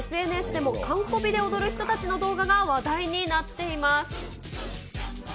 ＳＮＳでも完コピで踊る人たちの動画が話題になっています。